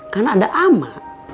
kan ada ama